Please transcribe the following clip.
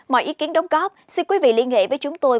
mọi ý kiến đóng góp xin quý vị liên hệ với chúng tôi